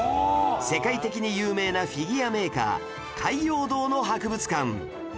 世界的に有名なフィギュアメーカー海洋堂の博物館